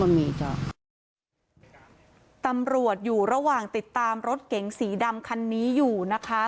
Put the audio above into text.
ตำรวจอยู่ระหว่างติดตามรถเก๋งสีดำคันนี้อยู่นะคะ